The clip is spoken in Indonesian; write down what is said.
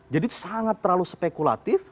jadi itu sangat terlalu spekulatif